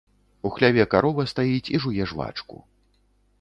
У хляве карова стаіць і жуе жвачку.